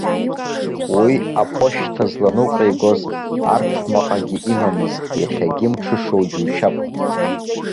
Уи аԥошьҭа зланыҟәигоз арҭмаҟагьы имамызт, иахьагьы мҽышоу џьушьап.